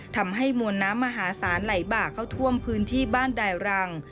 ทำให้มวลน้ำมหาศาลไหลบ่าเข้าท่วมพื้นที่บ้านด่ายรัง